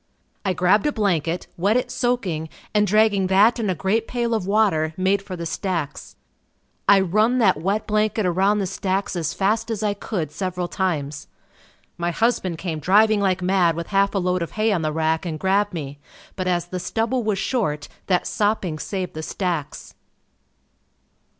I grabbed a blanket, wet it soaking and dragging that and a great pail of water, made for the stacks. I run that wet blanket around the stacks as fast as I could several times. My husband came driving like mad with half a load of hay on the rack and grabbed me but as the stubble was short that sopping saved the stacks.